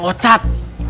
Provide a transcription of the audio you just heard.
ke mang ocat